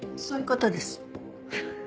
そういう事です。